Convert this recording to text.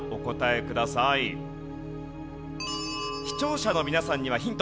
視聴者の皆さんにはヒント。